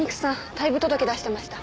退部届出してました。